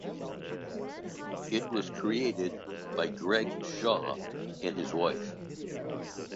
It was created by Greg Shaw and his wife.